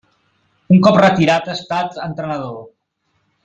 Un cop retirat ha estat entrenador.